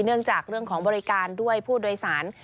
เนื่องจากเรื่องของบริการด้วยผู้โดยสาร